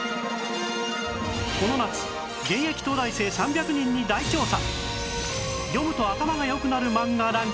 この夏現役東大生３００人に大調査！